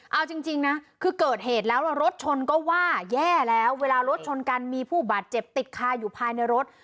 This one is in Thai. เอาจริงนะคือเกิดเหตุแล้วรถชนก็ว่าแย่แล้วเวลารถชนกันมีผู้บาดเจ็บติดคาอยู่ภายในรถ